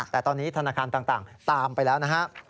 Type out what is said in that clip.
แต่ตอนนี้ธนาคารต่างตามไปแล้วนะฮะ